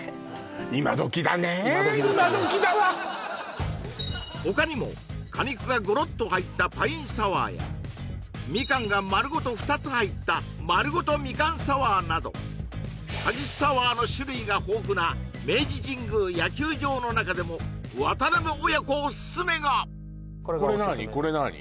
今どきだね今どきだわ他にも果肉がゴロッと入ったパインサワーやみかんがまるごと２つ入ったまるごとみかんサワーなど果実サワーの種類が豊富な明治神宮野球場の中でも渡辺親子オススメがこれなあに？